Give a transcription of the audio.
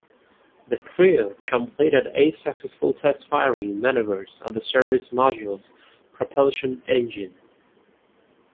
The crew completed eight successful test firing maneuvers of the Service Module's propulsion engine.